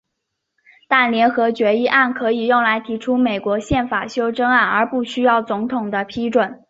但联合决议案可以用来提出美国宪法修正案而不需要总统的批准。